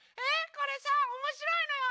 これさおもしろいのよ！